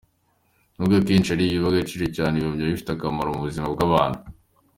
N’ubwo akenshi hari ababiha agaciro gake, ibihumyo bifite akamaro mu buzima bw’abantu.